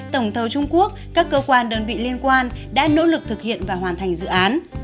tổng thầu trung quốc các cơ quan đơn vị liên quan đã nỗ lực thực hiện và hoàn thành dự án